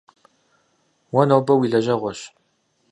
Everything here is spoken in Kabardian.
Уэ нобэ уи лэжьэгъуэщ.